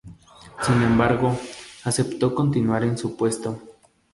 Sin embargo, aceptó continuar en su puesto.